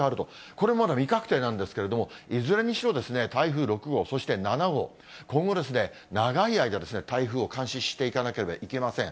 これまだ未確定なんですけれども、いずれにしろ、台風６号、そして７号、今後、長い間、台風を監視していかなければいけません。